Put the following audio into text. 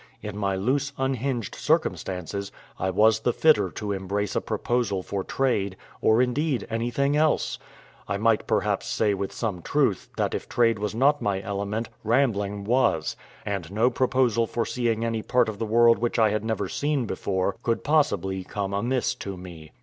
In my loose, unhinged circumstances, I was the fitter to embrace a proposal for trade, or indeed anything else. I might perhaps say with some truth, that if trade was not my element, rambling was; and no proposal for seeing any part of the world which I had never seen before could possibly come amiss to me.